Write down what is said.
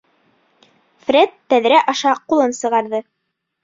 Фред тәҙрә аша ҡулын сығарҙы.